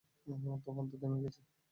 তুফান তো থেমে গেছে।